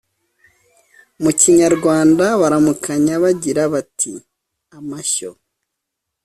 mu kinyarwanda baramukanya bagira bati: “amashyo